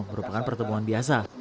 merupakan pertemuan biasa